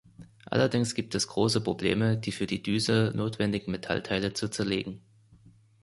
Allerdings gibt es große Probleme, die für die Düse notwendigen Metallteile zu zerlegen.